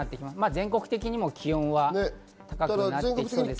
全国的にも気温は上がっていきそうです。